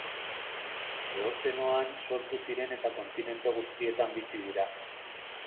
Eozenoan sortu ziren eta kontinente guztietan bizi dira.